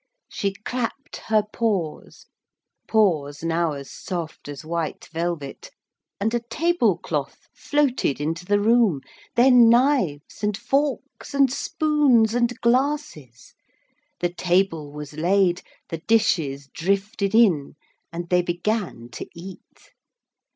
She clapped her paws paws now as soft as white velvet and a table cloth floated into the room; then knives and forks and spoons and glasses, the table was laid, the dishes drifted in, and they began to eat.